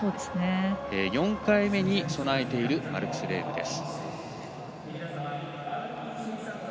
４回目に備えているマルクス・レームです。